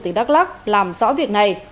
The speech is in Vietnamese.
tỉnh đắk lắc làm rõ việc này